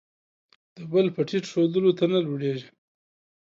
د بل په ټیټ ښودلو، ته نه لوړېږې.